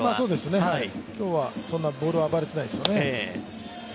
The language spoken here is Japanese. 今日はそんなにボール暴れてないですね。